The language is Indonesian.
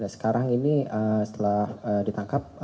sekarang ini setelah ditangkap